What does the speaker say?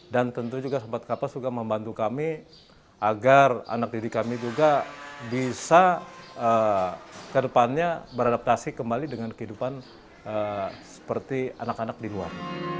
dan tentu juga sahabat kapas membantu kami agar anak didik kami juga bisa ke depannya beradaptasi kembali dengan kehidupan seperti anak anak di luar